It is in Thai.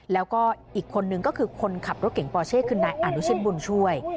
แล้วก็อีกคนนึงก็คือคนขับรถเก่งปอเช่คือนายอนุชิตบุญช่วย